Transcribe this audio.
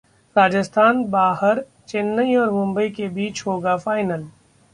राजस्थान बाहर, चेन्नई और मुंबई के बीच होगा फाइनल